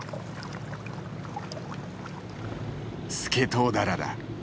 スケトウダラだ。